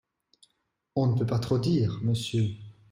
On ne peut pas trop dire, monsieur.